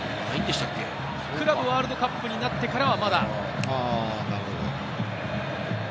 クラブワールドカップになってからはまだ。